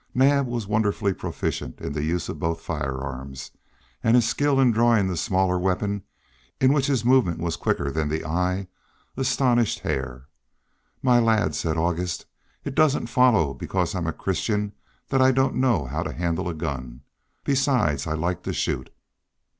Naab was wonderfully proficient in the use of both firearms; and his skill in drawing the smaller weapon, in which his movement was quicker than the eye, astonished Hare. "My lad," said August, "it doesn't follow because I'm a Christian that I don't know how to handle a gun. Besides, I like to shoot."